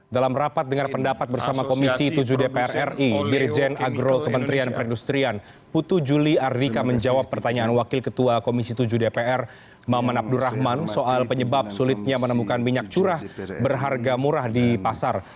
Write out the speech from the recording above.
dalam rapat dengar pendapat bersama komisi tujuh dpr ri dirjen agro kementerian perindustrian putu juli ardika menjawab pertanyaan wakil ketua komisi tujuh dpr maman abdurrahman soal penyebab sulitnya menemukan minyak curah berharga murah di pasar